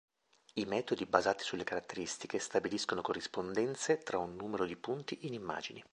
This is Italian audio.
I metodi basati sulle caratteristiche stabiliscono corrispondenze tra un numero di punti in immagini.